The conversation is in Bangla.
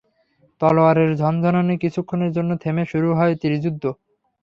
তলোয়ারের ঝনঝনানী কিছুক্ষণের জন্য থেমে শুরু হয় তীরযুদ্ধ।